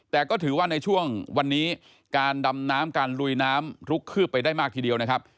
แต่ก็ถือว่าในช่วงวันนี้การดำน้ำการลุยน้ำลุกคืบไปได้มากทีเดียวนะครับ